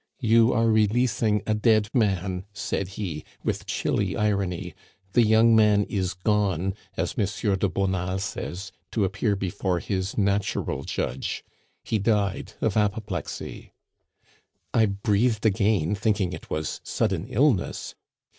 'You are releasing a dead man,' said he, with chilly irony; 'the young man is gone, as Monsieur de Bonald says, to appear before his natural Judge. He died of apoplexy ' "I breathed again, thinking it was sudden illness.